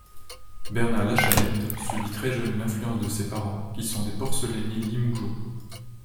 Bernard Lachanette subit très jeune l'influence de ses parents qui sont des porcelainiers limougeauds.